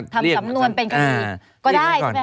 ทำสำนวนเป็นคดีก็ได้ใช่ไหมค